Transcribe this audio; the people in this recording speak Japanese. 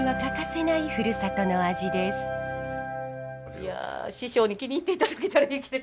いや師匠に気に入っていただけたらいいけど。